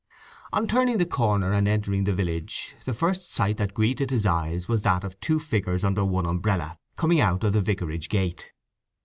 On turning the corner and entering the village the first sight that greeted his eyes was that of two figures under one umbrella coming out of the vicarage gate.